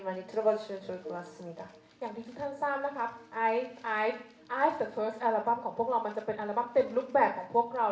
ไม่ชอบจะมานั่งกันตรงนี้หรอใช่มั้ยคะ